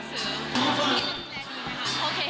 ว่านี่จะไม่ได้แล้ว